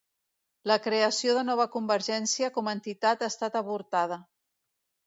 La creació de Nova Convergència com a entitat ha estat avortada